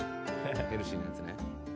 ヘルシーなやつね。